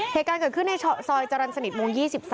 เหตุการณ์เกิดขึ้นในซอยจรรย์สนิทวง๒๓